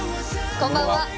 こんばんは。